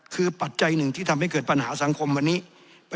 คือปัจจัยหนึ่งที่ทำให้เกิดปัญหาสังคมวันนี้